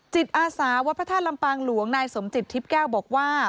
จิตอาสาวัตถานลำปังหลวงนายสมจิตทิพก้าวบอกว่า